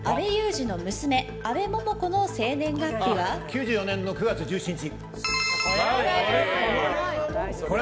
９４年の９月１７日。